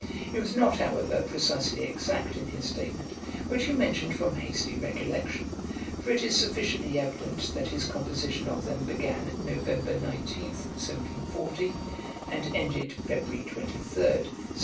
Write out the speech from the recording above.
He was not, however, precisely exact in his statement, which he mentioned from hasty recollection; for it is sufficiently evident, that his composition of them began November 19, 1740, and ended February 23, 1742 3.